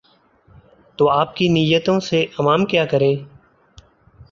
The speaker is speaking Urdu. تو آپ کی نیتوں سے عوام کیا کریں؟